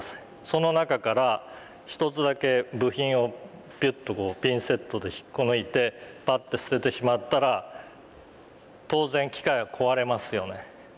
その中から１つだけ部品をピュッとピンセットで引っこ抜いてパッて捨ててしまったら当然機械は壊れますよね。